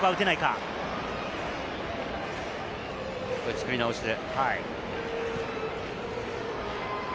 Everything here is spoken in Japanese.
作り直して。